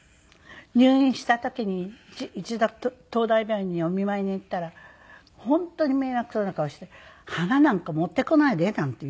入院した時に一度東大病院にお見舞いに行ったら本当に迷惑そうな顔して「花なんか持ってこないで」なんて言うの。